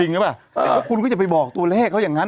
จริงนะเปล่าแต่ว่าคุณก็จะไปบอกตัวแรกเหละอย่างนั้น